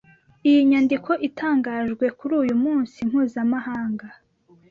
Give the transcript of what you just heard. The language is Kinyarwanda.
Iyi nyandiko itangajwe kuri uyu munsi mpuzamahanga